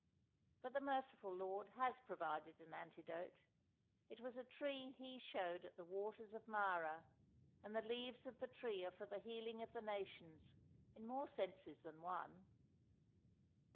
But the merciful Lord has provided an antidote. It was a Tree He showed at the waters of Marah; and the leaves of the Tree are for the healing of the nations in more senses than one.